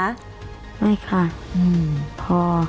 ไม่ค่ะพอ